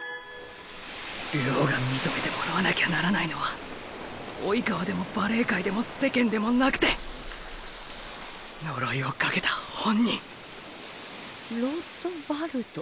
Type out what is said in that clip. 流鶯が認めてもらわなきゃならないのは「生川」でもバレエ界でも世間でもなくてロットバルト？